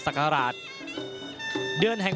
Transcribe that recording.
ศักราชเดือนแห่ง